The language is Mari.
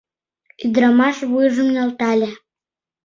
— Ӱдырамаш вуйжым нӧлтале.